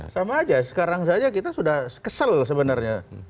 sama aja sekarang saja kita sudah kesel sebenarnya